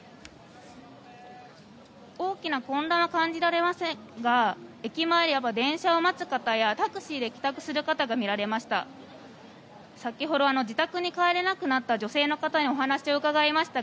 大きな混乱は感じられませんが駅前で電車を待つ方やタクシーで帰宅する方が見られました。